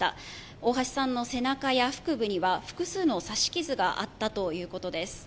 大橋さんの背中や腹部には複数の刺し傷があったということです。